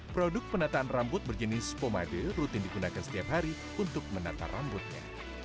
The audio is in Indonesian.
produk penataan rambut berjenis pomade rutin digunakan setiap hari untuk menata rambutnya